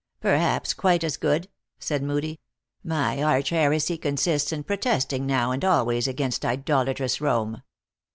" Perhaps quite as good," said Moodie. " My arch heresy consists in protesting now and always against idolatrous Rome.